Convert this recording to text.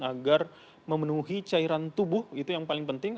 agar memenuhi cairan tubuh itu yang paling penting